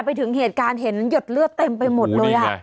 ไปถึงเหตุการณ์เห็นหยดเลือดเต็มไปหมดเลย